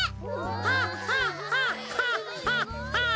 ハッハッハッハッハッハ！